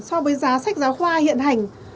so với giá sách giáo khoa hiện hành